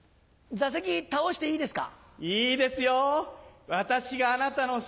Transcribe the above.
座席倒していいですか？